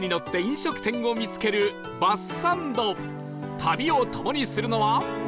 旅を共にするのは